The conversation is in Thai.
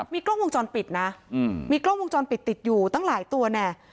มีกล้องวงจรปิดนะมีกล้องวงจรปิดติดอยู่ตั้งหลายตัวแน่